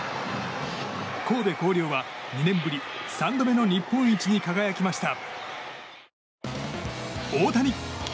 神戸弘陵は２年ぶり３度目の日本一に輝きました。